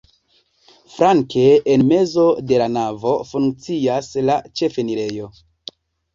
Flanke en mezo de la navo funkcias la ĉefenirejo.